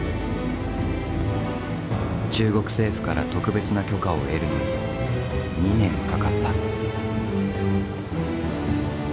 中国政府から特別な許可を得るのに２年かかった。